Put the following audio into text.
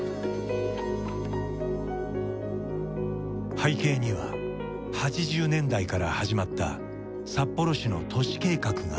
背景には８０年代から始まった札幌市の都市計画がある。